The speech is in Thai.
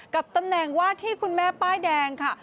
ตำแหน่งว่าที่คุณแม่ป้ายแดงค่ะ